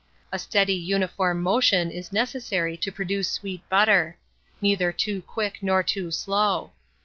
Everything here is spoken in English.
A steady uniform motion is necessary to produce sweet butter; neither too quick nor too slow.